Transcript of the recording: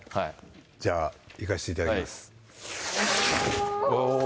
じゃあ、いかせていただきます。